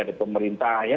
ada pemerintah ya